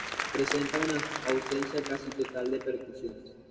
Presenta una ausencia casi total de percusiones.